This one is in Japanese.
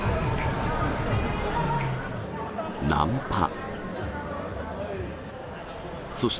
ナンパ。